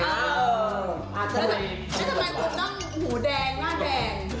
แล้วทำไมคุณต้องหูแดงหน้าแดง